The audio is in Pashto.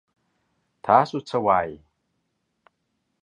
تاسو څه وايي ؟